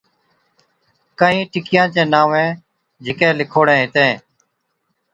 ڪهِين ٽڪِيان چين نانوين جھِڪي لِکوڙين هِتين،